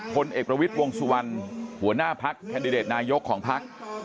พลเอกประวิทย์วงสุวรรณหัวหน้าพักแคนดิเดตนายกของพัก